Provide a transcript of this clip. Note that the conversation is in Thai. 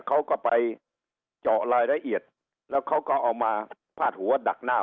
เขาก็ไปเจาะรายละเอียดแล้วเขาก็เอามาพาดหัวดักหน้า